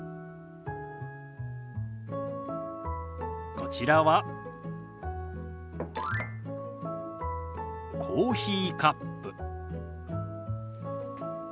こちらはコーヒーカップ。